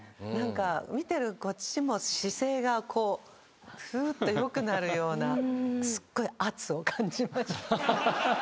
見てるこっちも姿勢がふうっと良くなるようなすっごい圧を感じました。